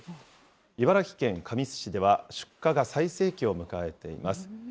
茨城県神栖市では、出荷が最盛期を迎えています。